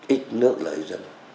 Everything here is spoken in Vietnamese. ít nước lợi dẫn